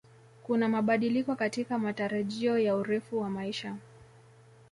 Kuna mabadiliko katika matarajio ya urefu wa maisha